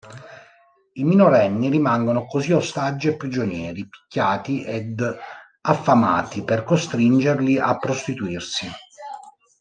I minorenni rimangono così ostaggi e prigionieri, picchiati ed affamati per costringerli a prostituirsi.